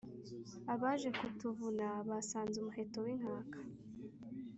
Abaje kutuvuna basanze umuheto w’Inkaka